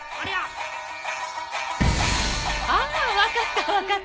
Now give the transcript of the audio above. ああわかったわかった。